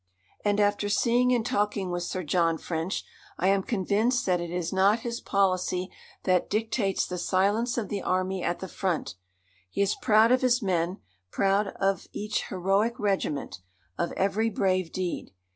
And after seeing and talking with Sir John French I am convinced that it is not his policy that dictates the silence of the army at the front. He is proud of his men, proud of each heroic regiment, of every brave deed.